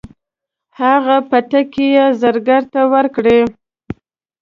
هغه بتکۍ یې زرګر ته ورکړې.